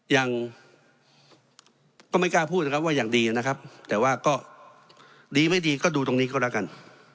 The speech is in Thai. อย่างก็ไม่กล้าพูดนะครับว่าอย่างดีนะครับแต่ว่าก็ดีไม่ดีก็ดูตรงนี้ก็แล้วกัน